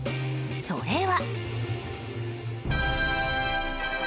それは。